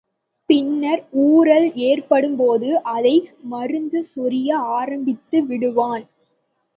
பின்னர் ஊரல் ஏற்படும்போது அதை மறந்து சொரிய ஆரம்பித்து விடுவான்.